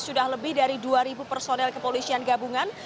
sudah lebih dari dua personel kepolisian gabungan